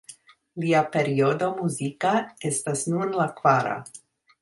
Lia periodo muzika estas nun la kvara.